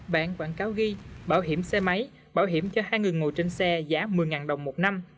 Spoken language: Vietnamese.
bạn quảng cáo ghi bảo hiểm xe máy bảo hiểm cho hai người ngồi trên xe giá một mươi đồng một năm